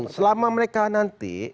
selama mereka nanti